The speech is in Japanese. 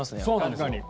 確かに。